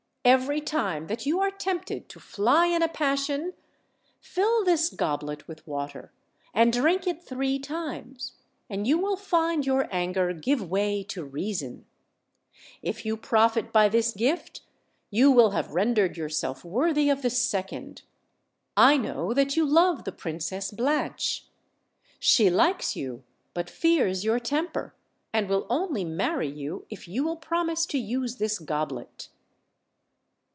Every time that you are tempted to fly in a passion, fill this goblet with water, and drink it three times, and you will find your anger give way to reason, If you profit by this gift you will have rendered yourself worthy of the sec ond. I know that you love the Princess Blanche; she likes you, but fears your temper, and will only marry you if you will promise to use this goblet."